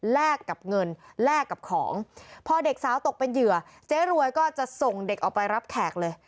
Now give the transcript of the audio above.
แลกกับเงินแลกกับของพอเด็กสาวตกเป็นเหยื่อเจ๊รวยก็จะส่งเด็กออกไปรับแขกเลย